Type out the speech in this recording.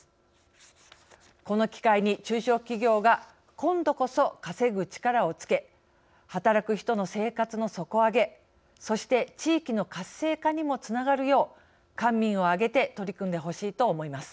この機会に中小企業が今度こそ稼ぐ力をつけ働く人の生活の底上げそして地域の活性化にもつながるよう官民を挙げて取り組んでほしいと思います。